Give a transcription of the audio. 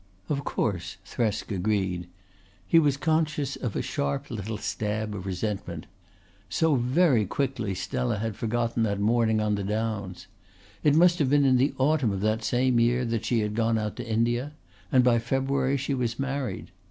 "Of course," Thresk agreed. He was conscious of a sharp little stab of resentment. So very quickly Stella had forgotten that morning on the Downs! It must have been in the autumn of that same year that she had gone out to India, and by February she was married.